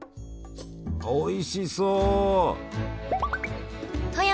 おいしそう！